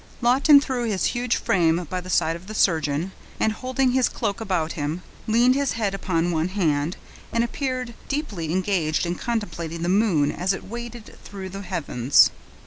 Lawton threw his huge frame by the side of the surgeon, and folding his cloak about him, leaned his head upon one hand, and appeared deeply engaged in contemplating the moon as it waded through the heavens.